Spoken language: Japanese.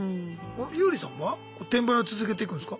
ユーリさんは転売は続けていくんですか？